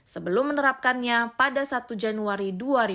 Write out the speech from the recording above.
sebelum menerapkannya pada satu januari dua ribu dua puluh